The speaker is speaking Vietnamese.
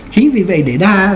chính vì vậy để đa dạng